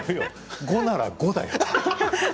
５なら５だよ